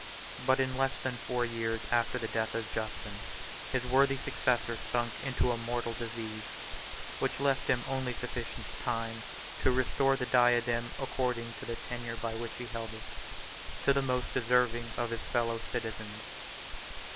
But in less than four years after the death of Justin, his worthy successor sunk into a mortal disease, which left him only sufficient time to restore the diadem, according to the tenure by which he held it, to the most deserving of his fellow citizens.